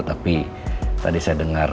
tapi tadi saya dengar